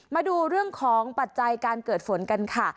มาดูเรื่องของปัจจัยการเกิดฝนกันค่ะ